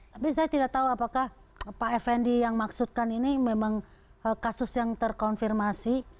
tapi saya tidak tahu apakah pak effendi yang maksudkan ini memang kasus yang terkonfirmasi